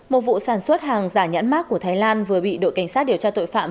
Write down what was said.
một vụ sản xuất hàng giả nhãn mát của thái lan vừa bị đội cảnh sát điều tra tội phạm